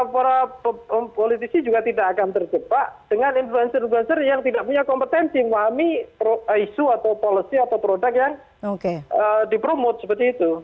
para politisi juga tidak akan terjebak dengan influencer influencer yang tidak punya kompetensi memahami isu atau policy atau produk yang dipromote seperti itu